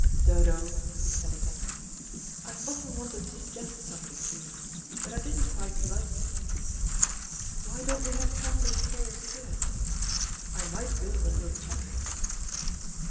"Dodo," he said again, "I've often wanted to suggest something to you, but I didn't quite like to. Why don't we have family prayers here? I might build a little chapel."